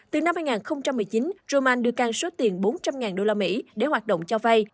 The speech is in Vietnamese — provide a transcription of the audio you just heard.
từ năm hai nghìn một mươi chín roman đưa can số tiền bốn trăm linh usd để hoạt động cho vay